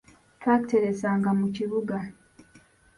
Twakiteresanga mu kibuga.